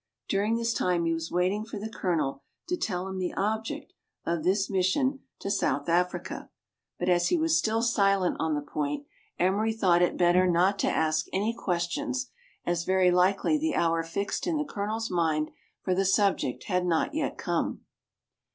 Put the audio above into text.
During this time he was waiting for the Colonel to tell him the object of this mission to South 32 meridiana; the adventures of Africa ; but as he was still silent on the point, Emery thought it better not to ask any questions, as very likely the hour fixed in the Colonel's mind for the subject had not yet come.